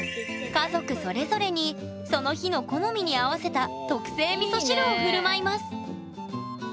家族それぞれにその日の好みに合わせた特製みそ汁をふるまいますいいね。